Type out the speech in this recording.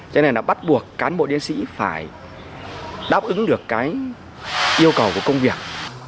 cho nên là bắt buộc cán bộ diễn sĩ phải đáp ứng được cái yêu cầu của công việc